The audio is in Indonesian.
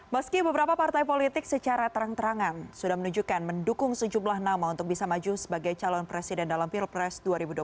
meski beberapa partai politik secara terang terangan sudah menunjukkan mendukung sejumlah nama untuk bisa maju sebagai calon presiden dalam pilpres dua ribu dua puluh